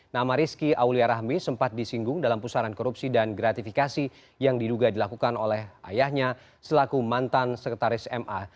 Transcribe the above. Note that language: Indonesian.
nama rizky aulia rahmi sempat disinggung dalam pusaran korupsi dan gratifikasi yang diduga dilakukan oleh ayahnya selaku mantan sekretaris ma